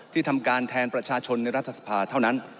ทำการแทนประชาชนในรัฐสภาเท่านั้น